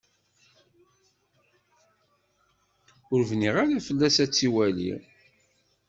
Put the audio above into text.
Ur ibni ara fell-as ad t-iwali.